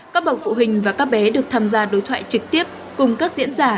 các bậc phụ huynh và các bé được tham gia đối thoại trực tiếp cùng các diễn giả